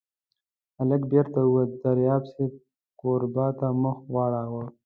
هلک بېرته ووت، دریاب صاحب کوربه ته مخ واړاوه.